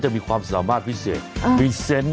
จะมีความสนามบ้าพิเศษ